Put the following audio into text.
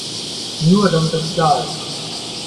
Nur, damit das klar ist.